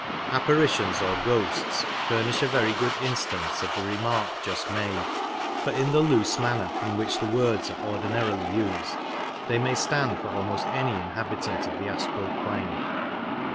Apparitions or ghosts furnish a very good instance of the remark just made, for in the loose manner in which the words are ordinarily used they may stand for almost any inhabitant of the astral plane.